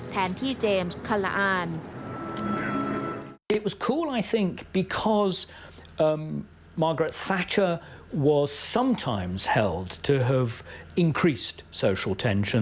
แทนที่เจมส์คาลาอาน